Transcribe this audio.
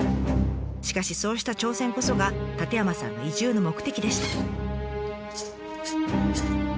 しかしそうした挑戦こそが舘山さんの移住の目的でした。